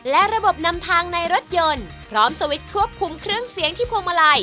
และระบบนำทางในรถยนต์พร้อมสวิตช์ควบคุมเครื่องเสียงที่พวงมาลัย